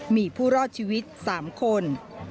มีผู้รอดชีวิต๓คน